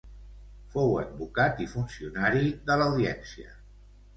Fou advocat i funcionari de l’Audiència.